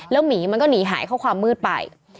หมีมันก็หนีหายเข้าความมืดไป